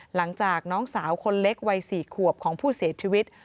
หลังจากน้องสาวคนเล็กวัย๔ขวบของผู้เสียชีวิต